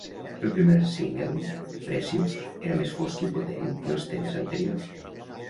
El primer single, "Precious", era més fosc i potent que els temes anteriors.